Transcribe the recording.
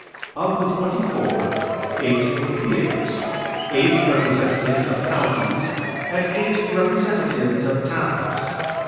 Of the twenty four eight were peers, eight representatives of counties, and eight representatives of towns.